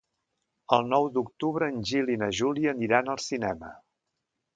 El nou d'octubre en Gil i na Júlia aniran al cinema.